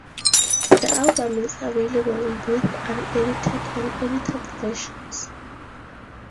The album is available in both unedited and edited versions.